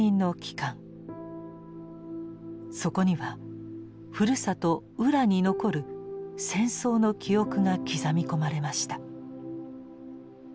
そこにはふるさと「浦」に残る戦争の記憶が刻み込まれました。